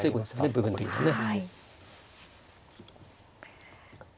部分的にはね。